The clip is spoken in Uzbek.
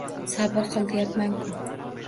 Sabr qil deyapman-ku